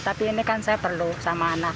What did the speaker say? tapi ini kan saya perlu sama anak